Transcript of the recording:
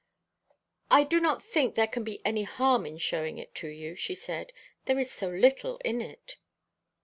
"I do not think there can be any harm in showing it to you," she said. "There is so little in it."